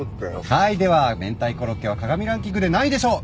はいでは明太コロッケは加賀美ランキングで何位でしょう？